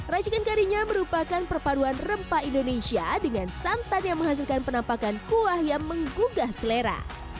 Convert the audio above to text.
racikan karinya merupakan perpaduan rempah indonesia dengan santan yang menghasilkan penampakan kuah yang menggugah selera